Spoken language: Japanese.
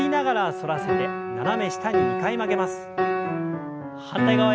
反対側へ。